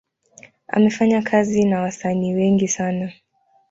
Amefanya kazi na wasanii wengi sana.